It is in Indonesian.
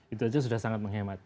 itu saja sudah sangat menghemat